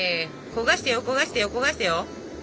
焦がしてよ焦がしてよ焦がしてよ。